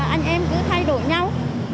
anh em cứ thay đổi nhau